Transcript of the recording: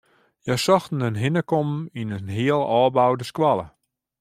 Hja sochten in hinnekommen yn in heal ôfboude skoalle.